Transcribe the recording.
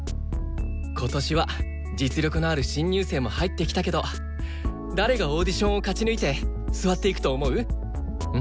今年は実力のある新入生も入ってきたけど誰がオーディションを勝ち抜いて座っていくと思う？